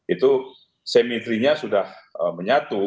itu semitrinya sudah menyatu